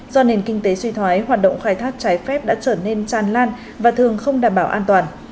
do nền kinh tế suy thoái hoạt động khai thác trái phép đã trở nên tràn lan và thường không đảm bảo an toàn